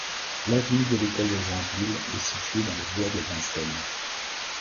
L’avenue de l’École-de-Joinville est située dans le bois de Vincennes.